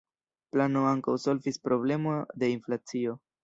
Plano ankaŭ solvis problemon de inflacio.